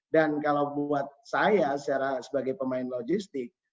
dan kalau buat saya sarah sebagai pemain logistik